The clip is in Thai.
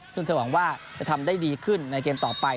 ซึ่งเธอหวังว่าจะทำได้ดีขึ้นในเกมต่อไป